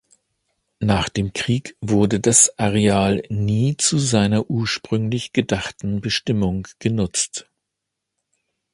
Nach dem Krieg wurde das Areal nie zu seiner ursprünglich gedachten Bestimmung genutzt.